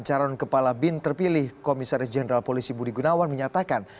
calon kepala bin terpilih komisaris jenderal polisi budi gunawan menyatakan